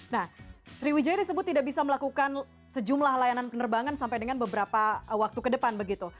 nah sriwijaya disebut tidak bisa melakukan sejumlah layanan penerbangan sampai dengan beberapa waktu ke depan begitu